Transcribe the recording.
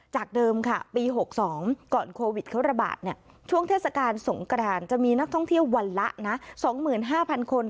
จากเดิมค่ะปี๖๒ก่อนโควิดเขาระบาดช่วงเทศกาลสงกรานจะมีนักท่องเที่ยววันละ๒๕๐๐คน